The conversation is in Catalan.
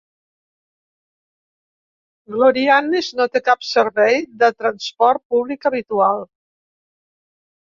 Glorianes no té cap servei de transport públic habitual.